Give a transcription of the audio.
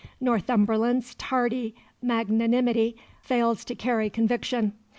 Northumberland's tardy magnanimity fails to carry conviction.